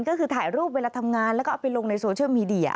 ก็คือถ่ายรูปเวลาทำงานแล้วก็เอาไปลงในโซเชียลมีเดีย